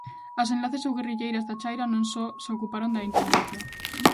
As enlaces ou guerrilleiras da chaira non só se ocuparon da intendencia.